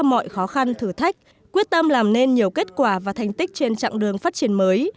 mọi khó khăn thử thách quyết tâm làm nên nhiều kết quả và thành tích trên chặng đường phát triển mới